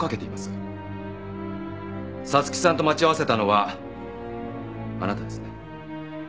彩月さんと待ち合わせたのはあなたですね？